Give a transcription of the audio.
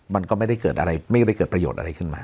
มันก็ไม่ได้เกิดอะไรไม่ได้เกิดประโยชน์อะไรขึ้นมา